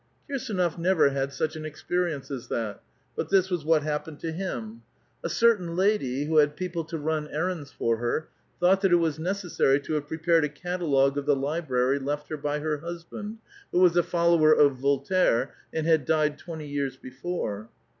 Kirsdnof never had such an experience as that ; but this was what happened to him : A certain hid}*, who had people to run errands for her, thought that it was necessary to have prepared a catalogue of the library left her by her husband, who was a follower of Voltaire, and had died twenty years before.